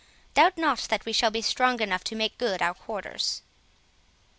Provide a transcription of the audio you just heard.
Doubt not that we shall be strong enough to make good our quarters."